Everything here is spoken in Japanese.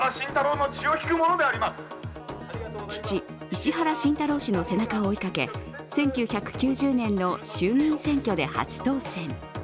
父・石原慎太郎氏の背中を追いかけ、１９９０年の衆議院選挙で初当選。